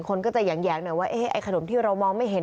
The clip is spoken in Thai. คนก็จะแหยงหน่อยว่าไอ้ขนมที่เรามองไม่เห็น